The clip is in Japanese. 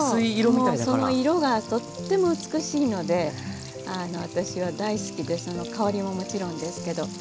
もうその色がとっても美しいので私は大好きでその香りももちろんですけど。